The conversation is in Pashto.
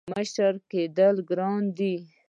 • مشر کېدل ګران دي.